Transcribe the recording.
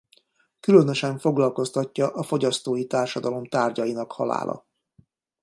Különösen foglalkoztatja a fogyasztói társadalom tárgyainak halála.